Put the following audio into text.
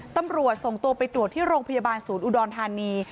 ตำรวจส่งตัวไปตรวจที่โรงพยาบาลศูนย์อุดรธานี